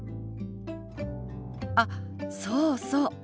あっそうそう。